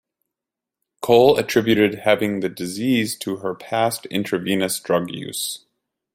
Cole attributed having the disease to her past intravenous drug use.